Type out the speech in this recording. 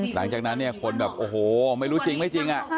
หลังจากนั้นเนี่ยคนแบบโอ้โหไม่รู้จริงไม่จริง